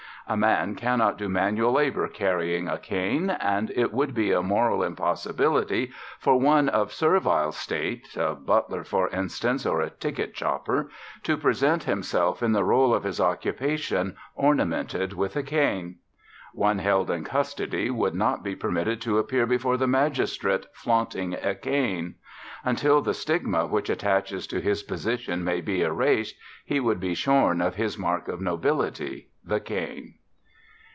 A man cannot do manual labour carrying a cane. And it would be a moral impossibility for one of servile state a butler, for instance, or a ticket chopper to present himself in the role of his occupation ornamented with a cane. One held in custody would not be permitted to appear before a magistrate flaunting a cane. Until the stigma which attaches to his position may be erased he would be shorn of this mark of nobility, the cane.